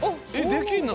できんの？